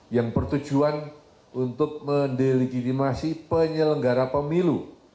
yang bertujuan untuk mendelegitimasi penyelenggara pemilu